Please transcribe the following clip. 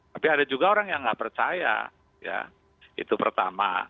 tapi ada juga orang yang nggak percaya ya itu pertama